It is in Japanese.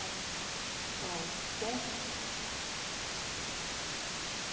通して。